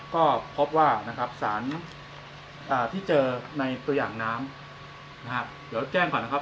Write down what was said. ก็พบว่าสารที่เจอในตัวอย่างน้ำเดี๋ยวแจ้งก่อนนะครับ